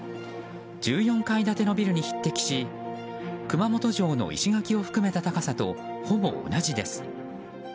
１４階建てのビルに匹敵し熊本城の石垣を含めた高さとほぼ同じです。